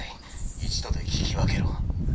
一度で聞き分けろ。